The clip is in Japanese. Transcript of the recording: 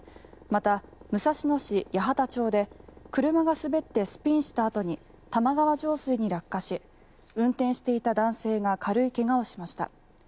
また、武蔵野市八幡町で車が滑ってスピンしたあとに玉川上水に落下し運転していた男性が軽い怪我をしました。